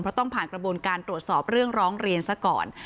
เพราะต้องผ่านกระบวนการตรวจสอบเรื่องร้องเรียนซะก่อน